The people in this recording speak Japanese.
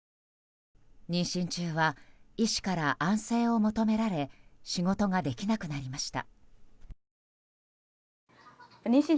妊娠中は医師から安静を求められ仕事ができなくなりました。